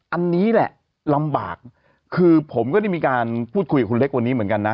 อันนี้แหละลำบากคือผมก็ได้มีการพูดคุยกับคุณเล็กวันนี้เหมือนกันนะ